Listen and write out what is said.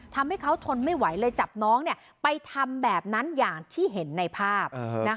ทำให้เขาทนไม่ไหวเลยจับน้องไปทำแบบนั้นอย่างที่เห็นในภาพ